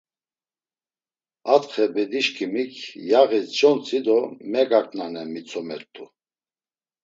Atxe bedişǩimik yağis contzi do megaǩnanen. mitzomert̆u.